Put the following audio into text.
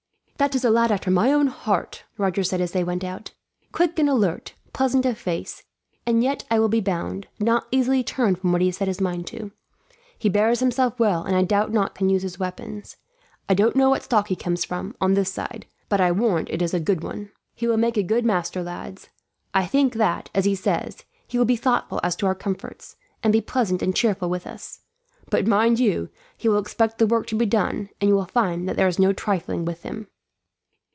"That is a lad after my own heart," Roger said, as they went out. "Quick and alert, pleasant of face; and yet, I will be bound, not easily turned from what he has set his mind to. He bears himself well, and I doubt not can use his weapons. I don't know what stock he comes from, on this side, but I warrant it is a good one. "He will make a good master, lads. I think that, as he says, he will be thoughtful as to our comforts, and be pleasant and cheerful with us; but mind you, he will expect the work to be done, and you will find that there is no trifling with him."